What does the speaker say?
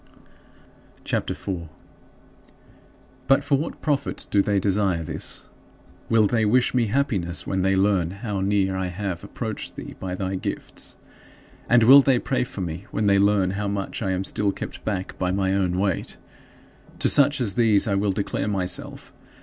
CHAPTER IV 5. But for what profit do they desire this? Will they wish me happiness when they learn how near I have approached thee, by thy gifts? And will they pray for me when they learn how much I am still kept back by my own weight? To such as these I will declare myself.